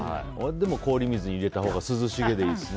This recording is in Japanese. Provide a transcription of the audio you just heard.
でも氷水に入れたほうが涼しげでいいですよね。